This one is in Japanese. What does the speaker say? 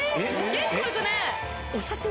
結構いくね。